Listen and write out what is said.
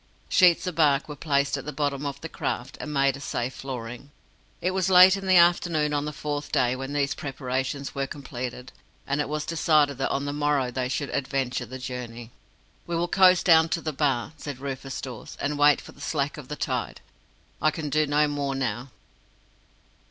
Sheets of bark were placed at the bottom of the craft, and made a safe flooring. It was late in the afternoon on the fourth day when these preparations were completed, and it was decided that on the morrow they should adventure the journey. "We will coast down to the Bar," said Rufus Dawes, "and wait for the slack of the tide. I can do no more now."